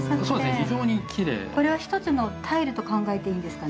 非常にきれいこれは１つのタイルと考えていいんですかね？